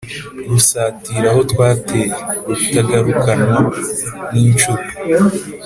Rusatira aho twateye, rutagarukanwa n’inshuro.